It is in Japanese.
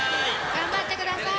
頑張ってください。